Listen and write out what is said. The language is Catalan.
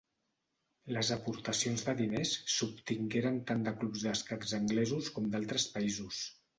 Les aportacions de diners s'obtingueren tant de clubs d'escacs anglesos com d'altres països.